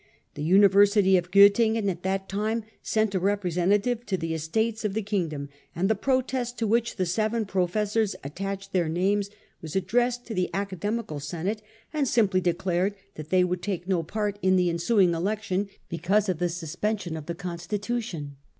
The University of Grottingen at that time sent a representative to the Estates of the king dom, and the protest to which the seven professors attached their names was addressed to the academical senate, and simply declared that they would take no part in the ensuing election, because of the suspen sion of the constitution.